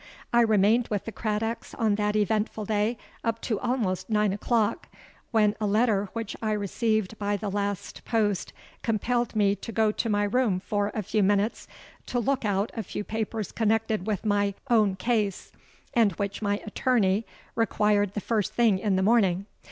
I remained with the Craddocks on that eventful day up to almost nine o'clock, when a letter which I received by the last post compelled me to go to my room for a few minutes to look out a few papers connected with my own case, and which my attorney required the first thing in the morning.